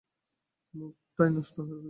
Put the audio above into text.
মুডটাই নষ্ট করে দিচ্ছো।